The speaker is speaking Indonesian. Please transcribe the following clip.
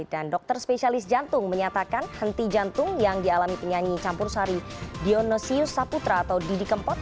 dan dokter spesialis jantung menyatakan henti jantung yang dialami penyanyi campur sari dionosius saputra atau didi kempot